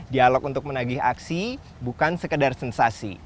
dialog untuk menagih aksi bukan sekedar sensasi